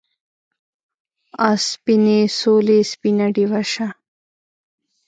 آ سپینې سولې سپینه ډیوه شه